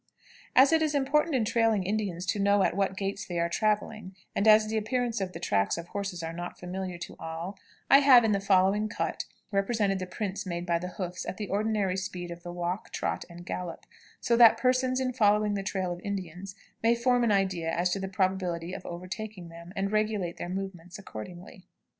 ] As it is important in trailing Indians to know at what gaits they are traveling, and as the appearance of the tracks of horses are not familiar to all, I have in the following cut represented the prints made by the hoofs at the ordinary speed of the walk, trot, and gallop, so that persons, in following the trail of Indians, may form an idea as to the probability of overtaking them, and regulate their movements accordingly.